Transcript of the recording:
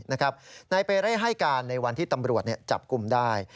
นายเปเร่ให้การในวันที่ตำรวจจับกลุ่มได้